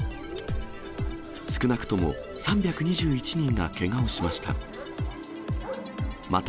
少なくとも３２１人がけがをしました。